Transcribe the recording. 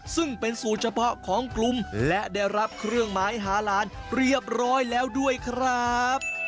ซึ่งเป็นสูตรเฉพาะของกลุ่มและได้รับเครื่องหมายหาหลานเรียบร้อยแล้วด้วยครับ